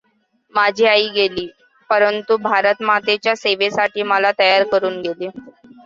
माझी आई गेली; परंतु भारतमातेच्या सेवेसाठी मला तयार करून गेली.